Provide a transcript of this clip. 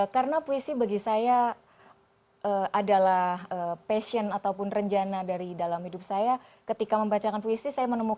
karena puisi bagi saya adalah passion ataupun renjana dari dalam hidup saya itu adalah yang sangat mencintai puisi itu alasannya kenapa sih